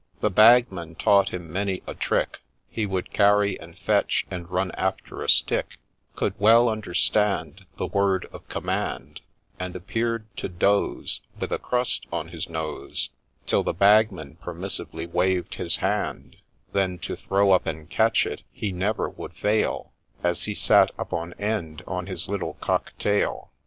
The Bagman taught him many a trick ; He would carry, and fetch, and run after a stick, Could well understand The word of command, And appear to doze With a crust on his nose Till the Bagman permissively waved his hand : Then to throw up and catch it he never would fail, As he sat up on end, on his little cock tail.